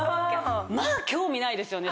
まぁ興味ないですよね